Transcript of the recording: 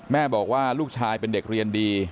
แม่บอกว่าลูกชายเป็นเด็กเรียนดี